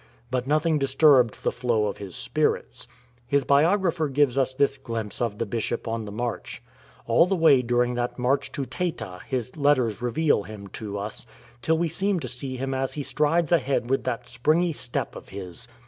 ' But nothing disturbed the flow of his spirits. His bio grapher gives us this glimpse of the Bishop on the march: "All the way during that march to Taita his letters reveal him to us, till we seem to see him as he strides ahead with that springy step of his.